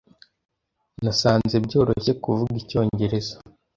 Nasanze byoroshye kuvuga icyongereza.